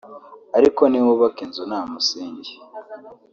Ariko niwubaka inzu nta musingi